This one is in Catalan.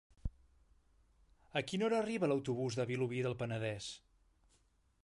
A quina hora arriba l'autobús de Vilobí del Penedès?